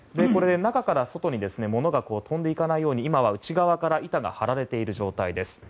中から外に物が飛んでいかないように今は内側から板が張られている状態です。